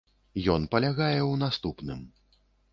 Ён палягае ў наступным.